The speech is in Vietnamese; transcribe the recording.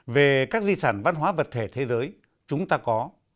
về các di sản văn hóa vật thể thế giới chúng ta có